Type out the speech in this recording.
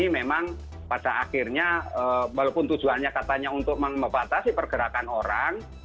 memang pada akhirnya walaupun tujuannya katanya untuk membatasi pergerakan orang